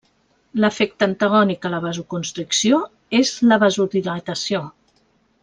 L'efecte antagònic a la vasoconstricció és la vasodilatació.